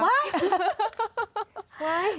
อะไร